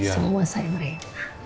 semua sayang rena